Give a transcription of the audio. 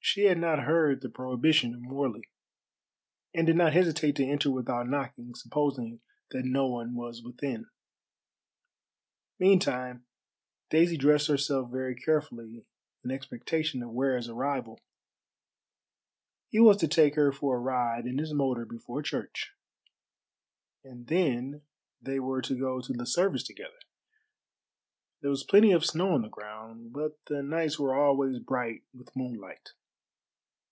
She had not heard the prohibition of Morley, and did not hesitate to enter without knocking, supposing that no one was within. Meantime Daisy dressed herself very carefully in expectation of Ware's arrival. He was to take her for a ride in his motor before Church, and then they were to go to the service together. There was plenty of snow on the ground, but the nights were always bright with moonlight.